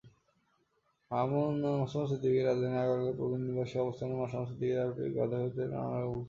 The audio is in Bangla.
মাসুমা সিদ্দিকীরাজধানীর আগারগাঁওয়ে প্রবীণ নিবাসে অবস্থানরত মাসুমা সিদ্দিকী ডায়াবেটিকসহ বার্ধক্যজনিত নানা রোগে ভুগছেন।